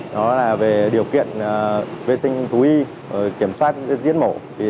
đó là về điều kiện vệ sinh thú y kiểm soát giết mổ